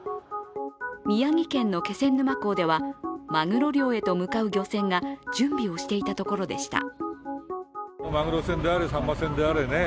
宮城県の気仙沼港ではマグロ漁へと向かう漁船が準備をしていたところでした。